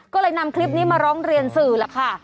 ก็เลยนำคลิปนี้มาร้องเรียนสื่อแหละค่ะ